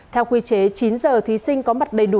theo quy chế chín giờ thí sinh có mặt đầy đủ